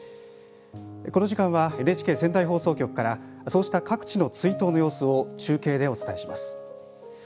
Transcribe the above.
この時間はＮＨＫ仙台放送局からそうした各地の追悼の様子を中継でお伝えします。